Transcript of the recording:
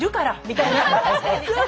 みたいな。